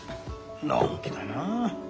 のんきだなあ。